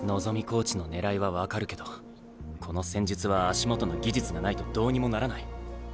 コーチのねらいは分かるけどこの戦術は足元の技術がないとどうにもならない。